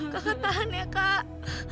kakak tahan ya kak